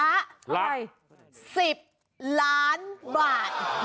อะไร๑๐ล้านบาท